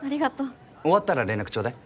終わったら連絡ちょうだい。